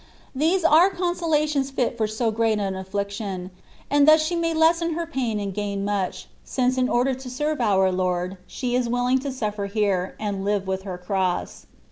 These are consolations fit for so great an affliction, and thus she may lessen her pain and gain much, since in order to serve our Lord, she is willing to suffer here, and live with her cross.